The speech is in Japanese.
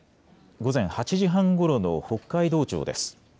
午前８時半ごろの北海道庁です。